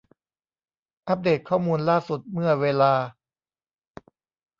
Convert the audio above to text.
อัปเดตข้อมูลล่าสุดเมื่อเวลา